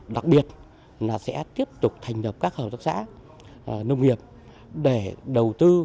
đặc biệt là sẽ tiếp tục thành lập các hợp tác xã nông nghiệp để đầu tư